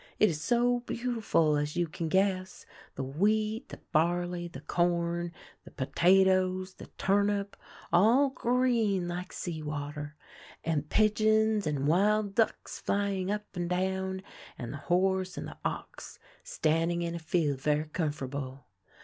It is so beautibul, as you can guess — the wheat, the barley, the corn, the potatoes, the turnip, all green like sea water, and pigeons and wild ducks flying up and down, and the horse and the ox standing in a field ver' comfer'ble.